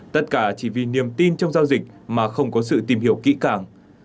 tất cả chỉ vì niềm tin trong giao dịch mà không có sự tìm hiểu kỹ càng